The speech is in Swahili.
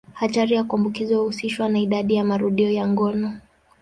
Hatari ya kuambukizwa huhusishwa na idadi ya marudio ya ngono.